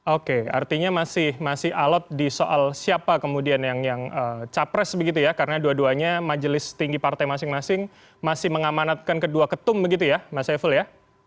oke artinya masih alot di soal siapa kemudian yang capres begitu ya karena dua duanya majelis tinggi partai masing masing masih mengamanatkan kedua ketum begitu ya mas saiful ya